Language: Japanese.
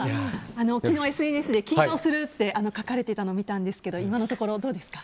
昨日、ＳＮＳで緊張するって書かれてたの見たんですけど今のところどうですか。